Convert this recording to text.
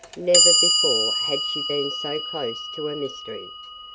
Never before had she been so close to a mystery.